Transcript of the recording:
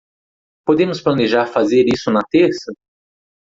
Podemos planejar fazer isso na terça?